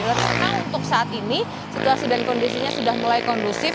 dan sekarang untuk saat ini situasi dan kondisinya sudah mulai kondusif